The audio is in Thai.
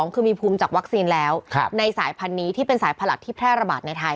คือมีภูมิจากวัคซีนแล้วในสายพันธุ์นี้ที่เป็นสายผลักที่แพร่ระบาดในไทย